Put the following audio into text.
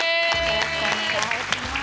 よろしくお願いします。